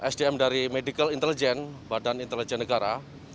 sdm dari medical intelligence badan intelijen negara